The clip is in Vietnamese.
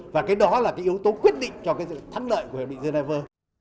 và cái đó là cái yếu tố quyết định cho cái sự thắng đợi của hiệp định geneva